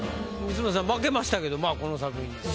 光宗さん負けましたけどまぁこの作品です。